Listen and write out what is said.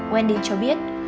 wendy cho biết